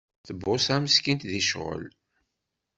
Tbuṣa meskint di ccɣel.